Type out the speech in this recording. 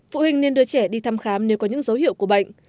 phụ huynh nên đưa trẻ đi thăm khám nếu có những dấu hiệu của bệnh